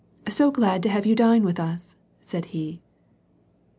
" So glad to have you dine with us," said he.